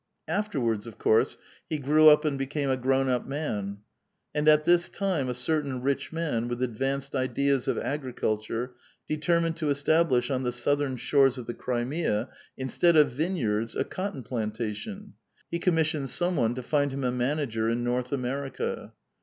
Afterwards, of course, he grew up and became a grown up man; and at this time a certain nch man, with advanced ideas of agriculture, determined to establish on the southern shores of the Krimea instead of vineyards a cotton planta tion ; he commissioned some one to find him a manager in North America.